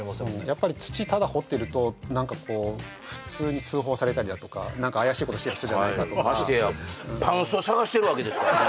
やっぱり土ただ掘ってると何かこう普通に通報されたり怪しいことしてる人じゃないかとかましてやパンスト探してるわけですからね